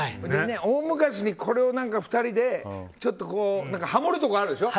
大昔にこれを２人でちょっとハモるところあるでしょ。